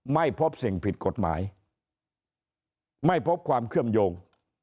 ไม่พบสิ่งผิดกฎหมายไม่พบความเชื่อมโยง